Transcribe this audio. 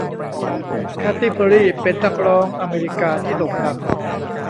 คาตี้เพอร์รี่เป็นนักร้องอเมริกาที่โด่งดัง